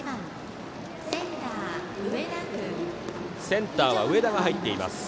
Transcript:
センターは上田が入っています。